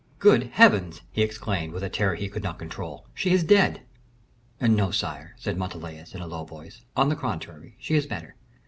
"Good Heavens!" he exclaimed, with a terror he could not control, "she is dead." "No, sire," said Montalais, in a low voice; "on the contrary, she is better.